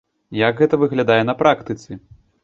Як гэта выглядае на практыцы?